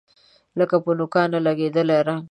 لکه په نوکانو لګیدلی رنګ